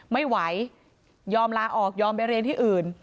ไม่ยอมลาออกยอมไปเรียนที่อื่น